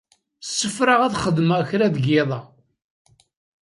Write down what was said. Ssefraɣ ad xedmeɣ kra deg yiḍ-a.